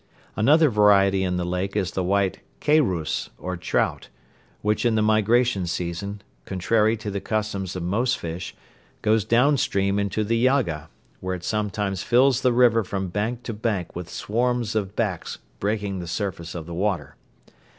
Another variety in the lake is the white khayrus or trout, which in the migration season, contrary to the customs of most fish, goes down stream into the Yaga, where it sometimes fills the river from bank to bank with swarms of backs breaking the surface of the water.